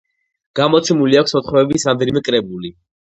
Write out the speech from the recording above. გამოცემული აქვს მოთხრობების რამდენიმე კრებული.